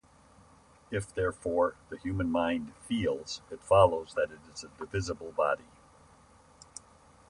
If therefore the human mind feels, it follows that it is a divisible body.